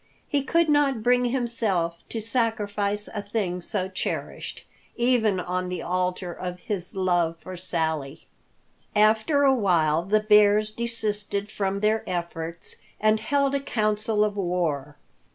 He could not bring himself to sacrifice a thing so cherished, even on the altar of his love for Sally. After a while the bears desisted from their efforts and held a council of war.